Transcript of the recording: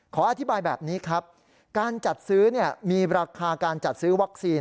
ขออธิบายแบบนี้ครับการจัดซื้อมีราคาการจัดซื้อวัคซีน